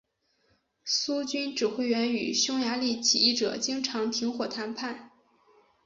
苏军指挥员与匈牙利起义者经常停火谈判。